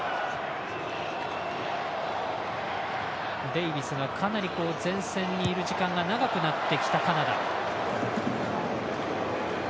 デイビスがかなり前線にいる時間が長くなってきたカナダ。